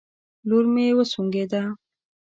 لور مې وسونګېده